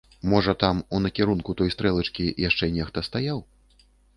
Можа, там, у накірунку той стрэлачкі, яшчэ нехта стаяў?